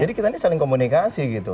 jadi kita ini saling komunikasi gitu